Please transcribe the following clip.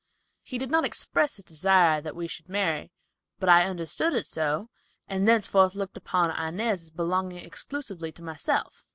He did not express his desire that we should marry, but I understood it so, and thenceforth looked upon Inez as belonging exclusively to myself."